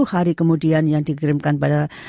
sepuluh hari kemudian yang dikirimkan pada